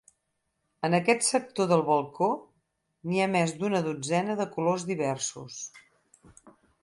En aquest sector del balcó n'hi ha més d'una dotzena de colors diversos.